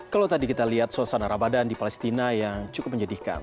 kalau tadi kita lihat suasana ramadan di palestina yang cukup menyedihkan